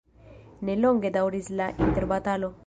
Ne longe daŭris la interbatalo.